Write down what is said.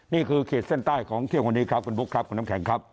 เขตเส้นใต้ของเที่ยงวันนี้ครับคุณบุ๊คครับคุณน้ำแข็งครับ